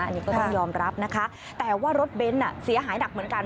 อันนี้ก็ต้องยอมรับนะคะแต่ว่ารถเบนท์เสียหายหนักเหมือนกัน